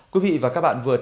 tuổi thơ nhọc nhằn nhưng